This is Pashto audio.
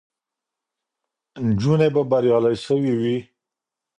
نجونې به بریالۍ سوې وي.